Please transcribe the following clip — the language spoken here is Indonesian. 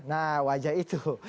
nah wajah itu